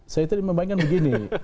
saya tadi memainkan begini